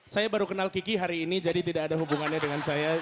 saya baru kenal kiki hari ini jadi tidak ada hubungannya dengan saya